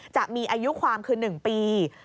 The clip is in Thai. จะมีอายุความคือ๑ปี